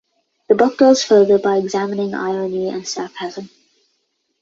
The book goes further by examining irony and sarcasm.